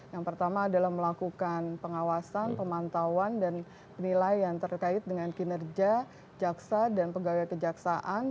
yang pertama adalah melakukan pengawasan pemantauan dan penilaian terkait dengan kinerja jaksa dan pegawai kejaksaan